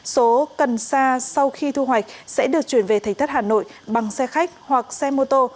số cần xa sau khi thu hoạch sẽ được chuyển về thành thất hà nội bằng xe khách hoặc xe mô tô